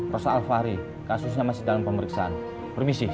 rossa alvari kasusnya masih dalam pemeriksaan permisi